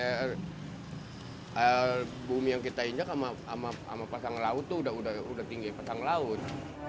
iya ini kan air bumi yang kita injak sama pasang laut tuh udah tinggi pasang laut